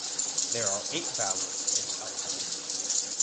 There are eight vowels in Altai.